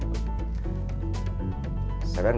kita sudah di depan